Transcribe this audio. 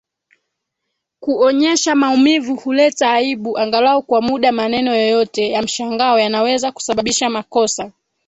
Kuonyesha maumivu huleta aibu angalau kwa muda Maneno yoyote ya mshangao yanaweza kusababisha makosa